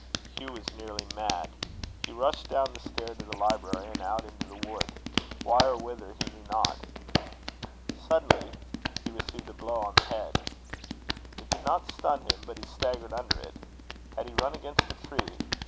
Hugh was nearly mad. He rushed down the stair to the library, and out into the wood. Why or whither he knew not. Suddenly he received a blow on the head. It did not stun him, but he staggered under it. Had he run against a tree?